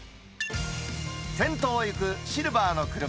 先頭を行くシルバーの車。